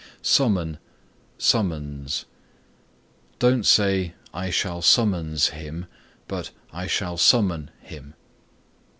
SUMMON SUMMONS Don't say "I shall summons him," but "I shall summon him."